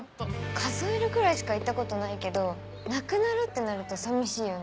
数えるぐらいしか行ったことないけどなくなるってなると寂しいよね。